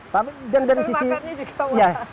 tapi makannya juga